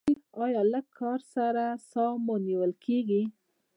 ایا لږ کار سره ساه مو نیول کیږي؟